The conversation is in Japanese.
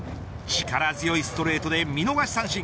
力強いストレートで見逃し三振。